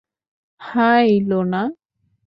High, লোলা।